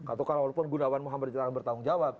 atau kalau pun gunawan muhammad jalanan bertanggung jawab